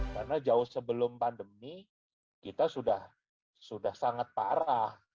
karena jauh sebelum pandemi kita sudah sangat parah